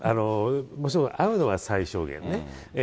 もちろん会うのは最小限ね。